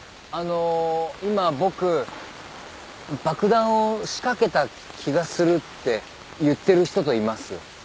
あの今僕爆弾を仕掛けた気がするって言ってる人といます。